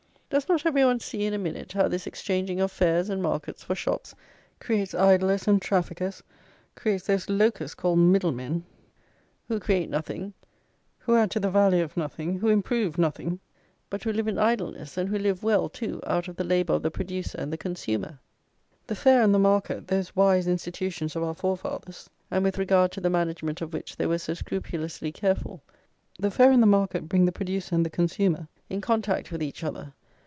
Does not every one see, in a minute, how this exchanging of fairs and markets for shops creates idlers and traffickers; creates those locusts, called middle men, who create nothing, who add to the value of nothing, who improve nothing, but who live in idleness, and who live well, too, out of the labour of the producer and the consumer. The fair and the market, those wise institutions of our forefathers, and with regard to the management of which they were so scrupulously careful; the fair and the market bring the producer and the consumer in contact with each other.